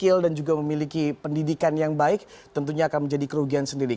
jika pemerintah tidak memiliki pendidikan yang baik tentunya akan menjadi kerugian sendiri